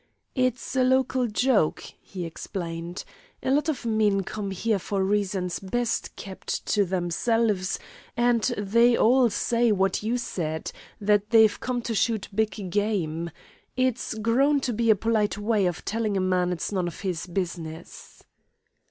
"It's a local joke," he explained. "A lot of men come here for reasons best kept to themselves, and they all say what you said, that they've come to shoot big game. It's grown to be a polite way of telling a man it is none of his business."